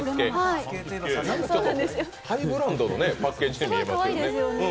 ハイブランドのパッケージに見えるね。